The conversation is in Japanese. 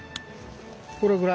これぐらい。